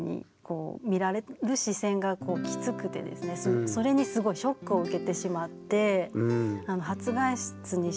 本当にそれにすごいショックを受けてしまって。